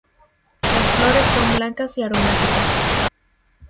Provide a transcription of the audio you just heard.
Las flores son blancas y aromáticas.